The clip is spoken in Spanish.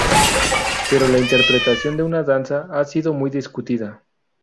Pero la interpretación de una danza ha sido muy discutida.